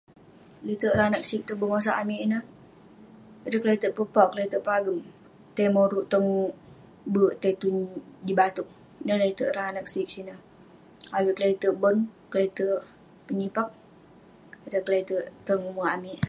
Le'terk ireh anag sik tong bengosak amik ineh ; ireh kle'terk pepauk, kle'terk pagem, tai moruk tong berk, tai tun jin batouk. ineh le'terk ireh anag sik sineh. avik kle'terk bon, kle'terk penyipak, ireh kle'terk tong umerk amik.